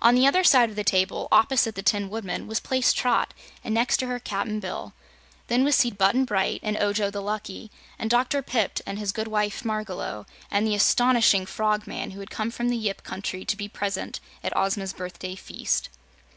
On the other side of the table, opposite the Tin Woodman was placed Trot, and next to her, Cap'n Bill. Then was seated Button Bright and Ojo the Lucky, and Dr. Pipt and his good wife Margalot, and the astonishing Frogman, who had come from the Yip country to be present at Ozma's birthday feast.